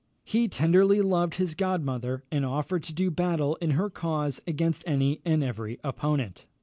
He tenderly loved his godmother, and offered to do battle in her cause against any and every opponent.